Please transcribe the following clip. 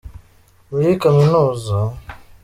muri kaminuza.